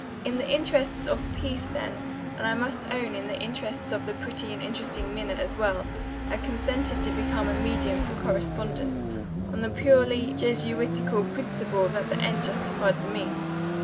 In the interests of peace, then and I must own in the interests of the pretty and interesting Minna as well I consented to become a medium for correspondence, on the purely Jesuitical principle that the end justified the means.